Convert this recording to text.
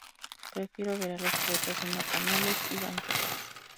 Prefiero ver a los poetas en bacanales y banquetes.